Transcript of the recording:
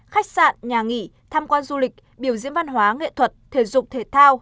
khách sạn nhà nghỉ tham quan du lịch biểu diễn văn hóa nghệ thuật thể dục thể thao